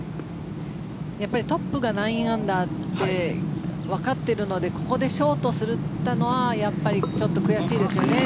やっぱりトップが９アンダーってわかっているのでここでショートされたのはやっぱりちょっと悔しいですよね。